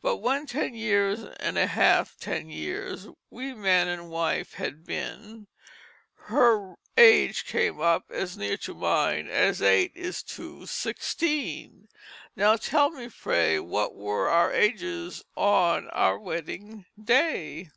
But when Ten years and half ten Years We man and wife had been Her age came up as near to mine As eight is to sixteen. Now tell me I pray What were our Ages on our Wedding Day?"